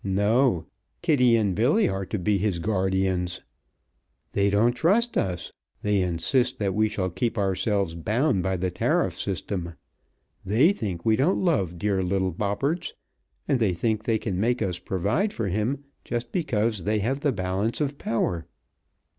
No, Kitty and Billy are to be his guardians. They don't trust us; they insist that we shall keep ourselves bound by the tariff system. They think we don't love dear little Bobberts, and they think they can make us provide for him, just because they have the balance of power!"